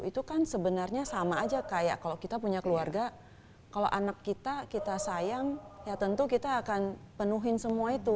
itu kan sebenarnya sama aja kayak kalau kita punya keluarga kalau anak kita kita sayang ya tentu kita akan penuhin semua itu